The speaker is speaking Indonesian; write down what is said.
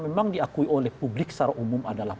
memang diakui oleh publik secara umum adalah